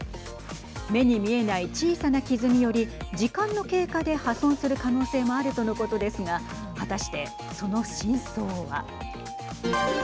目に見えない小さな傷により時間の経過で破損する可能性もあるとのことですが果たして、その真相は。